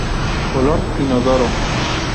Olor: inodoro.